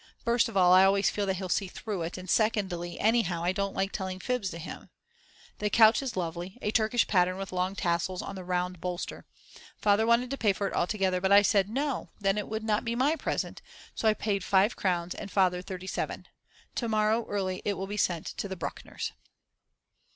First of all I always feel that he'll see through it, and secondly anyhow I don't like telling fibs to him. The couch is lovely, a Turkish pattern with long tassels on the round bolster. Father wanted to pay for it altogether, but I said: No, then it would not be my present, and so I paid five crowns and Father 37. To morrow early it will be sent to the Bruckners.